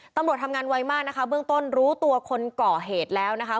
ตำรวจทำงานไวมากนะคะเบื้องต้นรู้ตัวคนก่อเหตุแล้วนะคะ